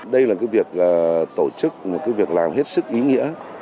đây là một việc tổ chức một việc làm hết sức ý nghĩa